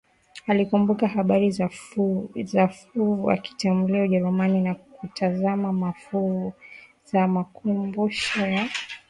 alikumbuka habari za fuvu akatembelea Ujerumani na kutazama mafuvu ya makumbusho ya BremenKatika